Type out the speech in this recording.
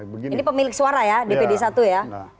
oke ini pemilik suara ya di pd satu ya